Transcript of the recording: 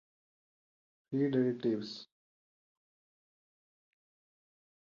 feed additives